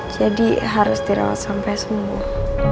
jadi harus direwat sampai sembuh